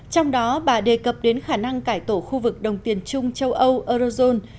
trong đó bà đề cập đến khả năng cải tổ khu vực đồng tiền chung châu âu eurozone